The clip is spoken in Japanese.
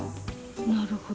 なるほど。